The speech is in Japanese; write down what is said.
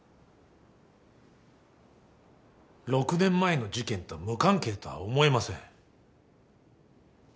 ６年前の事件と無関係とは思えません。